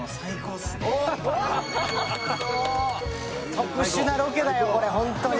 特殊なロケだよこれホントに。